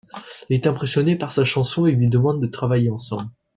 Il est impressionné par sa chanson et lui demande de travailler ensemble.